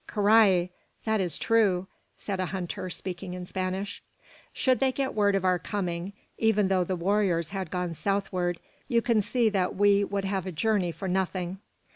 "Carrai! that is true," said a hunter, speaking in Spanish. "Should they get word of our coming, even though the warriors had gone southward, you can see that we would have a journey for nothing."